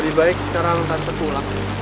lebih baik sekarang tante pulang